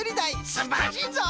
すんばらしいぞい！